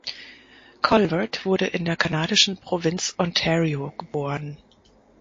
Calvert wurde in der kanadischen Provinz Ontario geboren.